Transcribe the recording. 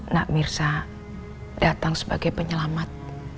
nak mirsa datang sebagai penyelamat